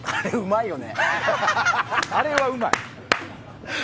あれはうまい。